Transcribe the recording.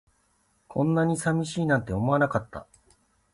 こんなに寂しいなんて思わなかった